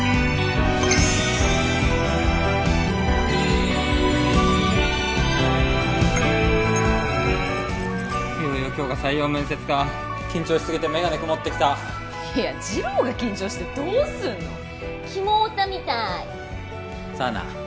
いよいよ今日が採用面接か緊張しすぎてメガネ曇ってきたいや次郎が緊張してどうすんのキモオタみたい佐奈